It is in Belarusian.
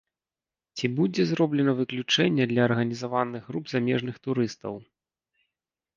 Ці будзе зроблена выключэнне для арганізаваных груп замежных турыстаў?